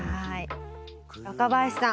若林さん